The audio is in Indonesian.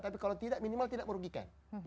tapi kalau tidak minimal tidak merugikan